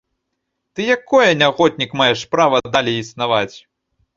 Ты якое, нягоднік, маеш права далей існаваць?